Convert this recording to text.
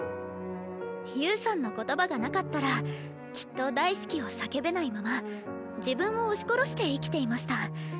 侑さんの言葉がなかったらきっと大好きを叫べないまま自分を押し殺して生きていました。